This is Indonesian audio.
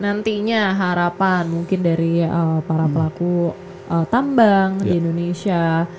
nantinya harapan mungkin dari para pelaku tambang di indonesia